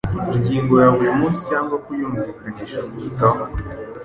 ingingo ya buri munsi cyangwa kuyumvikanisha kurutaho.